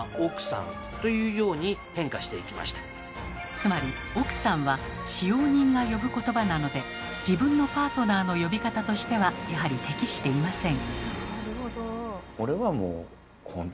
つまり「奥さん」は使用人が呼ぶ言葉なので自分のパートナーの呼び方としてはやはり適していません。